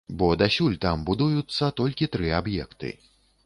Бо дасюль там будуюцца толькі тры аб'екты.